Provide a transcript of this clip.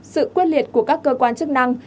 sự quyết liệt của các cơ quan chức năng